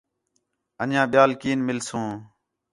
انجیاں ٻیال کین مِلسوں